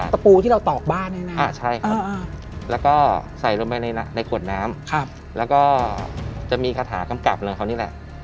ปูที่เราตอกบ้านให้นะใช่ครับแล้วก็ใส่ลงไปในขวดน้ำแล้วก็จะมีคาถากำกับอะไรเขานี่แหละ